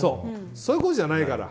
そういうことじゃないから。